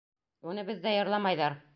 Уны беҙҙә йырламайҙар.